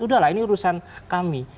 udah lah ini urusan kami